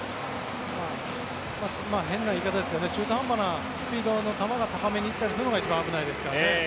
変な言い方ですけど中途半端なスピードの球が高めに行ったりするのが一番危ないですからね。